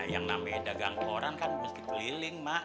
yang namanya dagang keluaran kan mesti keliling mak